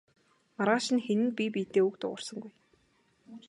Маргааш нь хэн нь бие биедээ үг дуугарсангүй.